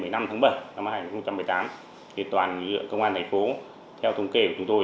năm hai nghìn một mươi tám thì toàn công an thành phố theo thống kể của chúng tôi